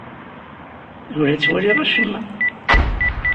Ur la ttwaliɣ acemma!